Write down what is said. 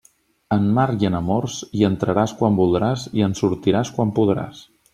En mar i en amors, hi entraràs quan voldràs i en sortiràs quan podràs.